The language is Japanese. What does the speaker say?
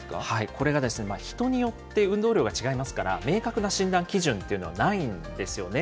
これが人によって運動量が違いますから、明確な診断基準というのはないんですよね。